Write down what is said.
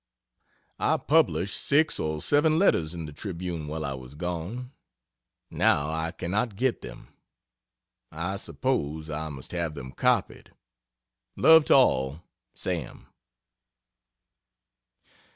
I published 6 or 7 letters in the Tribune while I was gone, now I cannot get them. I suppose I must have them copied. Love to all SAM.